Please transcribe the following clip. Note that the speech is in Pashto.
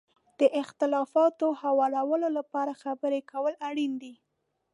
د اختلافاتو هوارولو لپاره خبرې کول اړین دي.